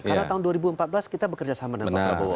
karena tahun dua ribu empat belas kita bekerja sama dengan pak prabowo